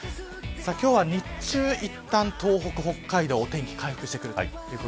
今日は日中いったん東北、北海道お天気回復してきます。